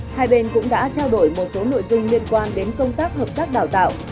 hai bên cũng đã trao đổi một số nội dung liên quan đến công tác hợp tác đào tạo